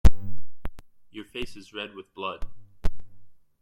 Your face is red with blood.